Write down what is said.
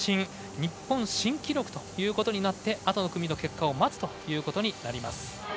日本新記録ということになってあとの組の結果を待つということになります。